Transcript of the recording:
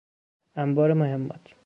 انبار مهمات